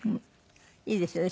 いいですよね